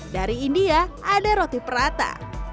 dari india ada roti perata